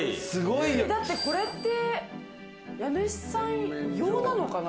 だってこれって、家主さん用なのかな？